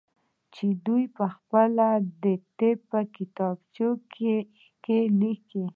چې دوى پخپله د طب په کتابونو کښې ليکلي.